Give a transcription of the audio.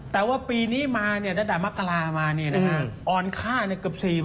แต่ว่าปีนี้มาเนี่ยระดับมักกรามาเนี่ยนะฮะอ่อนค่าเนี่ยเกือบ๔